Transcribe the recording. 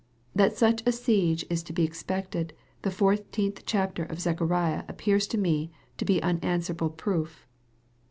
That such a siege is to be expected, the fourteenth chapter of Zechariah appears to me to be unanswerable proof.